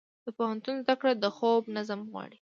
د پوهنتون زده کړه د خوب نظم غواړي.